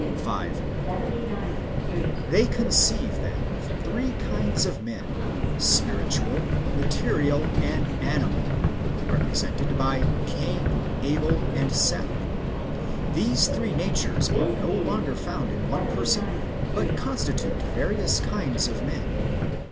5. They conceive, then, of three kinds of men, spiritual, material, and animal, represented by Cain, Abel, and Seth. These three natures are no longer found in one person,^ but constitute various kinds [of men].